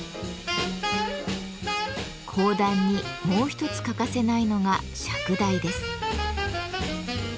講談にもう一つ欠かせないのが「釈台」です。